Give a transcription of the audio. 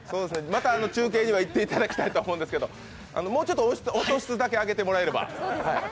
また中継には行っていただきたいと思うんですがもうちょっと音質上げていただければ。